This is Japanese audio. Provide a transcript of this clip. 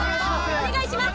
お願いします